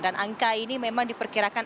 dan angka ini memang diperkirakan